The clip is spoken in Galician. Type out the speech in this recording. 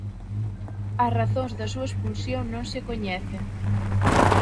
As razóns da súa expulsión non se coñecen.